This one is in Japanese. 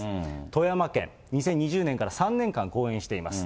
富山県、２０２０年から３年間、後援しています。